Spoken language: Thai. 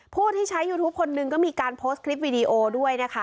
ผู้ที่ใช้ยูทูปคนหนึ่งก็มีการโพสต์คลิปวิดีโอด้วยนะคะ